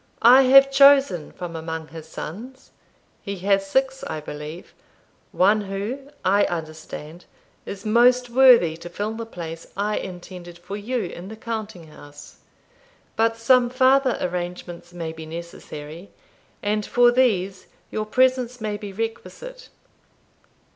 I have chosen from among his sons (he has six, I believe) one who, I understand, is most worthy to fill the place I intended for you in the counting house. But some farther arrangements may be necessary, and for these your presence may be requisite.